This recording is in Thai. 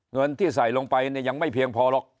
เงินที่ใส่ลงไปเนี่ยยังไม่เพียงพอหรอก